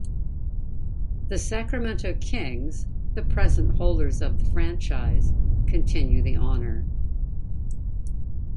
The Sacramento Kings, the present holders of the franchise, continue the honor.